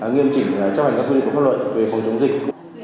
nghiêm chỉnh chấp hành các quy định và pháp luận về phòng chống dịch